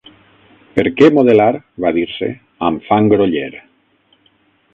Per què modelar- va dir-se -amb fang groller